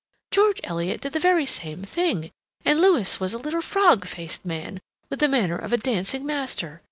George Eliot did the very same thing; and Lewes was a little frog faced man, with the manner of a dancing master.